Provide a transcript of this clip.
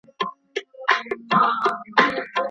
هغه وخت دا حق لري.